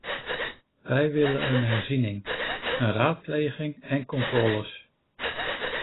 Wij willen een herziening, een raadpleging en controles.